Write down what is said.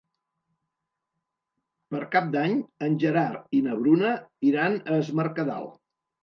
Per Cap d'Any en Gerard i na Bruna iran a Es Mercadal.